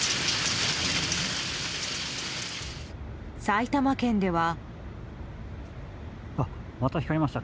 埼玉県では。